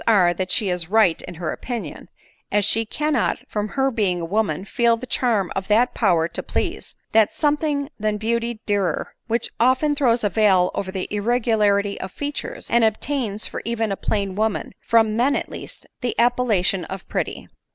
are that she is right in her opinion, as she cannot, from her being a woman, feel the charm of that power to please, that " something than beauty dearer/' which often throws a veil over the irregularity of features, and obtains, for even a plain woman, from men at least, the appellation of pretty.